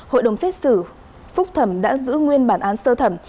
hội đồng xét xử phúc thẩm đã giữ nguyên bản án sơ thẩm